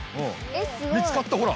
見つかったほら。